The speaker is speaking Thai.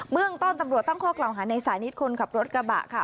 เมืองต้นตำรวจตั้งข้อกล่าวหาในสานิทคนขับรถกระบะค่ะ